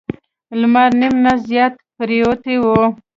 لمر نیم نه زیات پریوتی و.